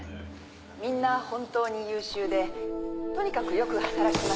みんな本当に優秀でとにかくよく働きます。